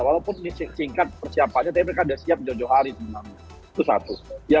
walaupun ini singkat persiapannya tapi mereka udah siap jauh jauh hari sebenarnya